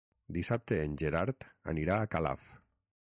Dissabte en Gerard anirà a Calaf.